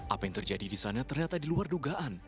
apa yang terjadi di sana ternyata diluar dugaan